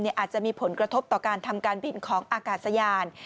อาจจะมีผลกระทบต่อการทำการบินของอากาศยาน